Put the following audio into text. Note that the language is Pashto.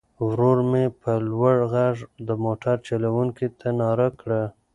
ورور مې په لوړ غږ د موټر چلوونکي ته ناره کړه.